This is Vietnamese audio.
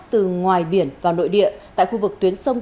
từ ngoài biển vào nội địa tại khu vực tuyến sông